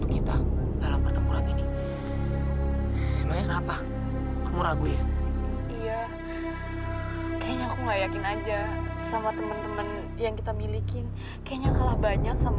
kita akan membalas